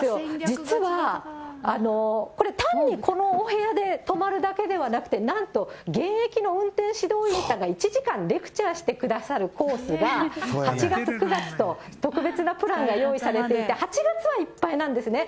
実は、これ、単にこのお部屋で泊まるだけではなくて、なんと、現役の運転指導員さんが、１時間レクチャーしてくださるコースが、８月、９月と特別なプランが用意されていて、８月はいっぱいなんですね。